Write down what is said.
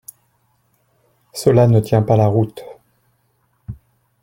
Cela ne tient pas la route.